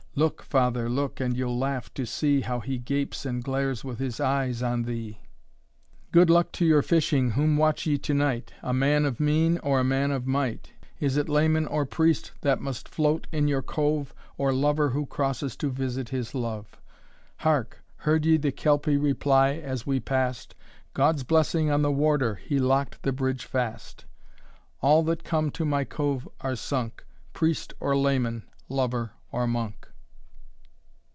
Look, Father, look, and you'll laugh to see How he gapes and glares with his eyes on thee. IV. Good luck to your fishing, whom watch ye to night? A man of mean, or a man of might? Is it layman or priest that must float in your cove, Or lover who crosses to visit his love? Hark! heard ye the Kelpy reply, as we pass'd, "God's blessing on the warder, he lock'd the bridge fast! All that come to my cove are sunk, Priest or layman, lover or monk."